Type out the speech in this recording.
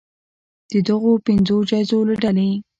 د دغو پنځو جایزو له ډلې